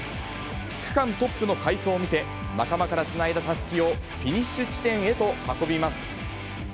区間トップの走りを見せ、仲間からつないだたすきをフィニッシュ地点へと運びます。